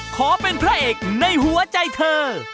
ขอเป็นพระเอกในหัวใจเธอ